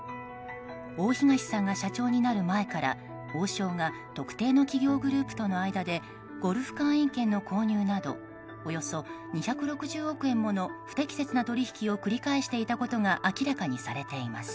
大東さんが社長になる前から王将が特定の企業グループとの間でゴルフ会員権の購入などおよそ２６０億円もの不適切な取引を繰り返していたことが明らかにされています。